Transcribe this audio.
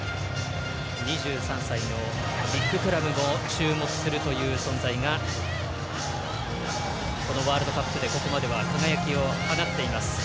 ２３歳のビッグクラブも注目するという存在がワールドカップでここまでは輝きを放っています。